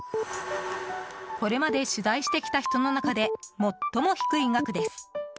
これまで取材してきた人の中で最も低い額です。